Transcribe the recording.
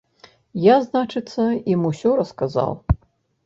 Я, значыцца, ім усё расказаў.